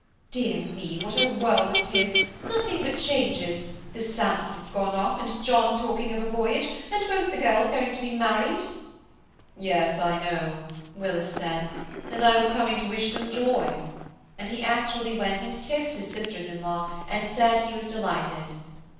Dear me! what a world it is! nothing but changes: the Sampsons gone off, and John talking of a voyage, and both the girls going to be married." "Yes, I know," Willis said, "and I was coming to wish them joy," and he actually went and kissed his sisters in law, and said he was delighted.